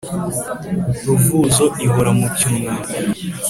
ruvuzo ihora mu cyunamo.